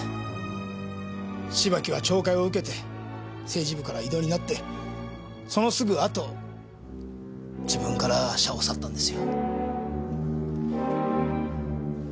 芝木は懲戒を受けて政治部から異動になってそのすぐ後自分から社を去ったんですよ。